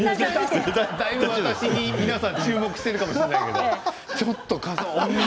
だいぶ私に皆さん注目しているかもしれないけれどちょっと笠松さん